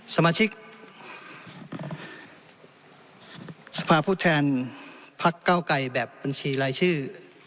สมาชิกสภาพผู้แทนพักเก้าไกรแบบบัญชีรายชื่อ